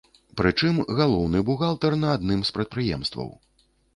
Пры чым галоўны бухгалтар на адным з прадпрыемстваў.